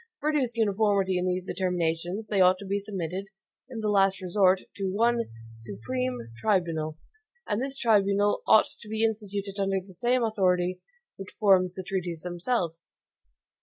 To produce uniformity in these determinations, they ought to be submitted, in the last resort, to one SUPREME TRIBUNAL. And this tribunal ought to be instituted under the same authority which forms the treaties themselves.